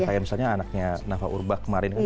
kayak misalnya anaknya nafa urba kemarin